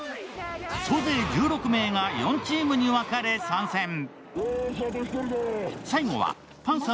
総勢１６名が４チームに分かれて参戦